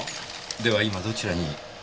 では今どちらに？